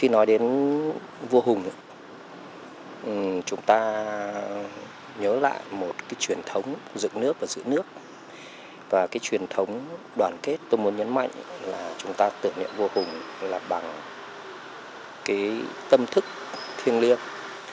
năm nay tổ chức lễ hội truyền thống đoàn kết tôi muốn nhấn mạnh là chúng ta tưởng niệm vua hùng là bằng tâm thức thiêng liêng